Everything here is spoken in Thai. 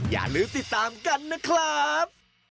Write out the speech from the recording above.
อย่าลืมติดตามกันนะครับ